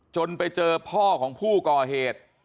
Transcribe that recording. จนไปเจอพ่อของผู้ก่อเหตุ